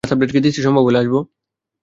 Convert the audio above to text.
সম্ভব হলে আসব।